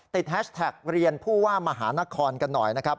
แฮชแท็กเรียนผู้ว่ามหานครกันหน่อยนะครับ